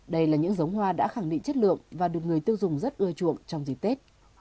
đây là những giống hoa đã khẳng định chất lượng và được người tiêu dùng rất ưa chuộng trong dịp tết